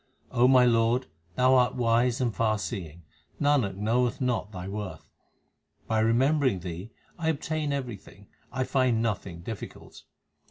my Lord, Thou art wise and far seeing ; Nanak knoweth not Thy worth. By remembering Thee, I obtain everything, I find nothing difficult.